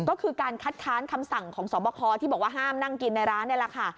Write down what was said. ก็คือการคัดค้านคำสั่งของสอบคอที่บอกว่าห้ามนั่งกินในร้านนี่แหละค่ะ